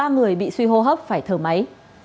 ba người bị suy hô hấp phải thở máy